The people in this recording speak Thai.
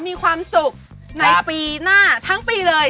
มีความสุขในปีหน้าทั้งปีเลย